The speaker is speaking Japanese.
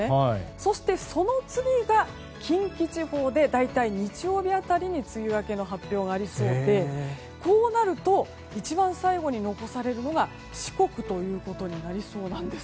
そして、その次が近畿地方で大体日曜日辺りに梅雨明けの発表がありそうでこうなると一番最後に残されるのが四国ということになりそうなんです。